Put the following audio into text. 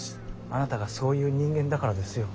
あなたがそういう人間だからですよ。